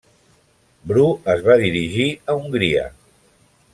Bru es va dirigir a Hongria.